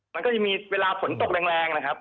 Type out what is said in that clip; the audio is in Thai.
มันก็จะมีเวลาฝนตกแรงนะครับ